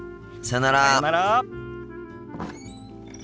さよなら。